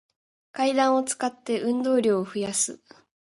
階段を使って、運動量を増やす